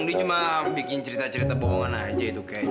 dia cuma bikin cerita cerita bohongan aja itu kaya